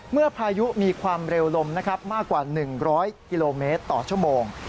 เมื่อพายุมีความเร็วลมมากกว่า๑๐๐กิโลเมตรต่อชั่วโมง